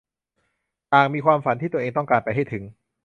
ต่างมีความฝันที่ตัวเองต้องการไปให้ถึง